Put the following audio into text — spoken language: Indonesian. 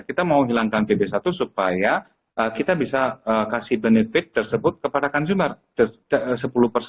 kita mau hilangkan pb satu supaya kita bisa kasih benefit tersebut kepada consumer